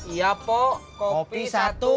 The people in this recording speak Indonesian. iya po kopi satu